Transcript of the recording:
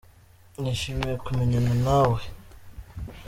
Nishimiye kumenyana nawe.